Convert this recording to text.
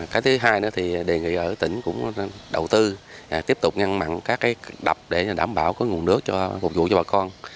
cái thứ hai đề nghị ở tỉnh cũng đầu tư tiếp tục ngăn mặn các đập để đảm bảo nguồn nước phục vụ cho bà con